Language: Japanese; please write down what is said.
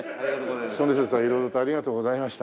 その節は色々とありがとうございました。